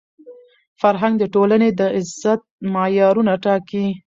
فرهنګ د ټولني د عزت معیارونه ټاکي.